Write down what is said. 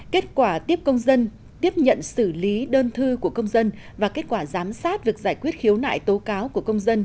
kết quả tiếp công dân tiếp nhận xử lý đơn thư của công dân và kết quả giám sát việc giải quyết khiếu nại tố cáo của công dân